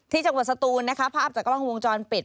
จังหวัดสตูนนะคะภาพจากกล้องวงจรปิด